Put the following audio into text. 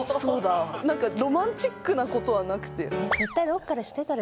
なんかロマンチックなことはなくて。